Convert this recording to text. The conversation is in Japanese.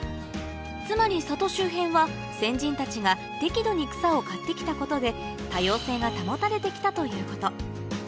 つまり里周辺は先人たちが適度に草を刈ってきたことで多様性が保たれてきたということ